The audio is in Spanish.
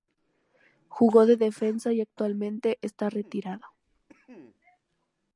Jugó de defensa y actualmente está retirado.